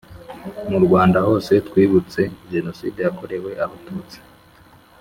mu rwanda hose twibutse jenoside yakorewe abatutsi